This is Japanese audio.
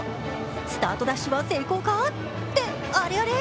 スタートダッシュは成功かって、あれあれ？